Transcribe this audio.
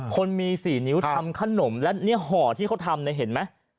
คนมีสี่นิ้วทำขนมแล้วเนี่ยห่อที่เขาทำเนี่ยเห็นมั้ย